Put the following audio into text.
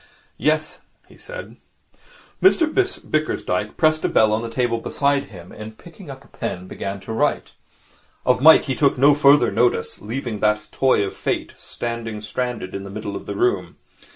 'Yes,' he said. Mr Bickersdyke pressed a bell on the table beside him, and picking up a pen, began to write. Of Mike he took no further notice, leaving that toy of Fate standing stranded in the middle of the room.